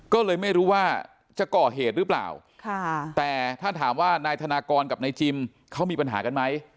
ก็เลยไม่รู้ว่าจะก่อเหตุหรือเปล่าแต่ถ้าถามว่านายธนากรกับนายจิมเขามีปัญหากันไหม